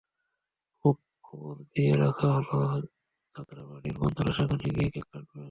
হোপে খবর দিয়ে রাখা হলো যাত্রাবাড়ীর বন্ধুরা সেখানে গিয়ে কেক কাটবেন।